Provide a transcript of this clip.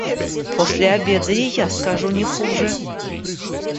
После обеда и я скажу не хуже.